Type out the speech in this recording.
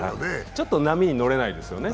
ちょっと波に乗れないですね。